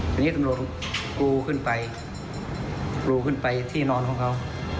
ทีนี้ตำรวจกรูขึ้นไปกรูขึ้นไปที่นอนของเขา